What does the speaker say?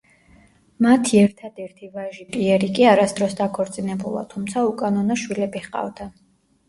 მათი ერთადერთი ვაჟი პიერი კი არასდროს დაქორწინებულა, თუმცა უკანონო შვილები ჰყავდა.